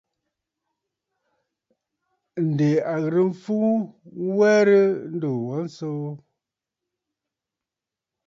Ǹdè a ghɨrə mfu werə ndùuu wa nsoo.